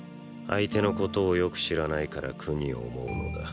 相手のことをよく知らないから苦に思うのだ。